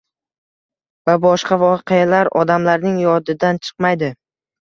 va boshqa voqealar odamlarning yodidan chiqmaydi.